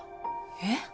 えっ？